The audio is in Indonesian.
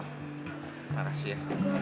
gue duduk sini